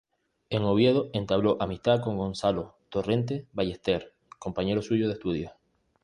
En Oviedo entabló amistad con Gonzalo Torrente Ballester, compañero suyo de estudios.